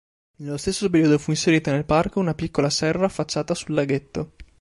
Nello stesso periodo fu inserita nel parco una piccola serra affacciata sul laghetto.